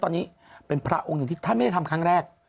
ท่านทำเป็นประจำทุกครับท่านทำเป็นประจำทุกครับ